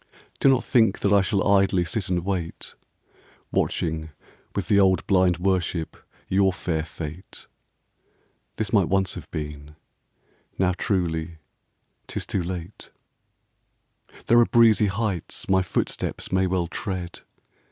Do not think that I shall idly Sit and wait, Watching, with the old blind worship. Your fair fate. This might once have been ; now, truly, 'T is too late. 15 THE LAST WORDS OF THE ROMANCE. There are breezy heights my footsteps Well may tread.